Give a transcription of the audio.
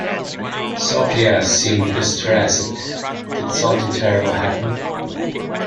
Sophia seemed distressed, did something terrible happen?